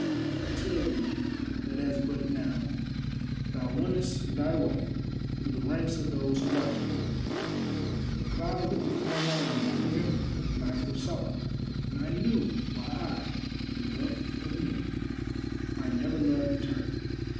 I tell thee that as but now thou wonnest thy way through the ranks of those who watch me, the cloud lifted from my mind, and I remembered, and I foresaw, and I knew why I, the loved of many, might never love in turn.